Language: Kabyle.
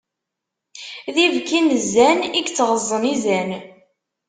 D ibki n zzan i yettɣeẓẓen izan.